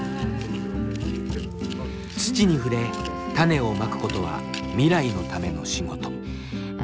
土に触れ種をまくことは未来のための仕事。